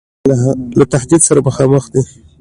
له تهدید سره مخامخ دی.